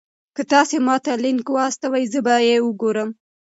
که تاسي ما ته لینک واستوئ زه به یې وګورم.